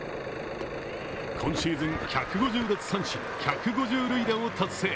今シーズン１５０奪三振１５０塁打を達成！